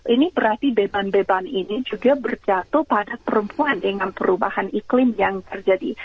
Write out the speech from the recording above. ini berarti beban beban ini juga berjatuh pada perempuan dengan perubahan iklim yang terjadi